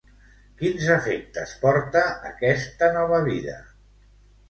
Quins efectes porta aquesta nova vida?